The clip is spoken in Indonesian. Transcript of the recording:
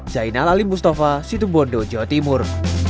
zainal alim mustafa situbondo jawa timur